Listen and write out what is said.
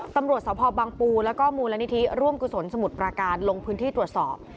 ตำรวจสพบังปูแล้วก็มูลนิธิร่วมกุศลสมุทรประการลงพื้นที่ตรวจสอบ